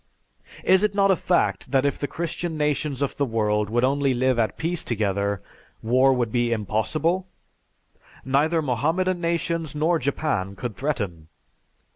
Is it not a fact that if the Christian nations of the world would only live at peace together, war would be impossible? Neither Mohammedan nations nor Japan could threaten.